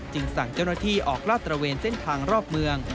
สั่งเจ้าหน้าที่ออกลาดตระเวนเส้นทางรอบเมือง